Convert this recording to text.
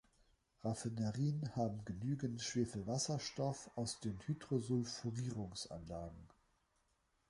Raffinerien haben genügend Schwefelwasserstoff aus den Hydrodesulfurierungs-Anlagen.